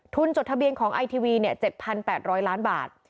จดทะเบียนของไอทีวี๗๘๐๐ล้านบาท